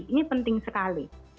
ini penting sekali